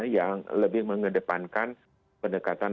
yang lebih mengedepankan pendekatan